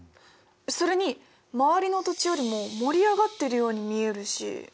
それに周りの土地よりも盛り上がってるように見えるし。